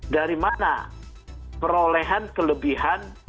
dari mana perolehan kelebihan